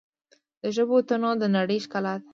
د ژبو تنوع د نړۍ ښکلا ده.